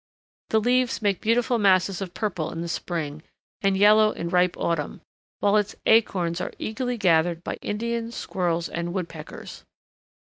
The leaves make beautiful masses of purple in the spring, and yellow in ripe autumn; while its acorns are eagerly gathered by Indians, squirrels, and woodpeckers.